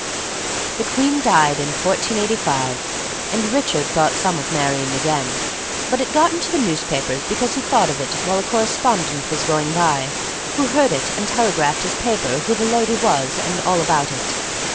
[Illustration: THEY SAT ON THE THRONE FOR SOME TIME.] The queen died in 1485, and Richard thought some of marrying again; but it got into the newspapers because he thought of it while a correspondent was going by, who heard it and telegraphed his paper who the lady was and all about it.